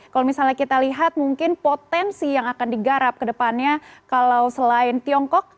kalau misalnya kita lihat mungkin potensi yang akan digarap kedepannya kalau selain tiongkok